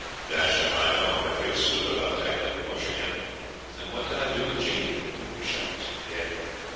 'Dashed if I know. I feel stupid about tackling the bush again; and what can I do with Jeanie? I wish I was dead.